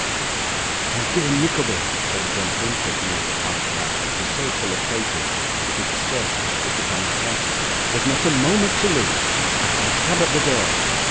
'My dear Nickleby,' said the gentleman, taking off a white hat which was so full of papers that it would scarcely stick upon his head, 'there's not a moment to lose; I have a cab at the door.